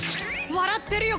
笑ってるよ